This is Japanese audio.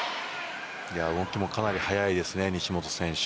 動きもかなり速いです、西本選手。